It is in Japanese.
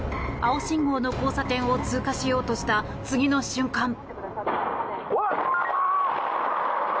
青信号の交差点を通過しようとした次の瞬間。